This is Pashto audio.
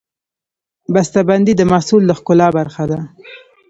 بستهبندي د محصول د ښکلا برخه ده.